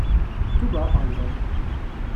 Tout bas, par exemple.